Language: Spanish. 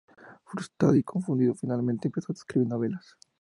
Frustrado y confundido, finalmente empezó a escribir novelas.